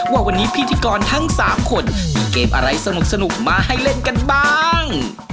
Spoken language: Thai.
ว่าวันนี้พิธีกรทั้ง๓คนมีเกมอะไรสนุกมาให้เล่นกันบ้าง